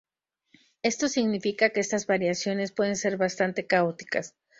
Esto significa que estas variaciones pueden ser bastante caóticas.